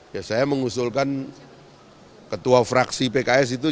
ya saya mengusulkan ketua fraksi pks itu